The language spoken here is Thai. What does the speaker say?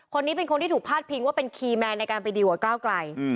คนนี้เป็นคนที่ถูกพาดพิงว่าเป็นคีย์แมนในการไปดีกว่าก้าวไกล